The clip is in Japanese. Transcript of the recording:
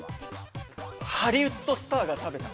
◆ハリウッドスターが食べた。